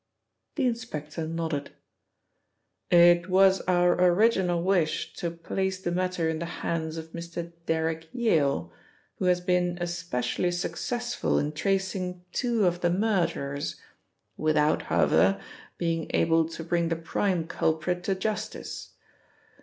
The inspector nodded. "It was our original wish to place the matter in the hands of Mr. Derrick Yale, who has been especially successful in tracing two of the murderers, without, however, being able to bring the prime culprit to justice.